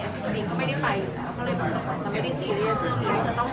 คือตัวเองก็ไม่ได้ไปอยู่แล้วก็เลยแบบเราอาจจะไม่ได้ซีเรียสเรื่องนี้